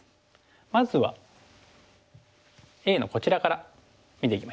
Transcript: まずはＡのこちらから見ていきましょうかね。